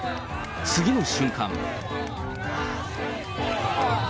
次の瞬間。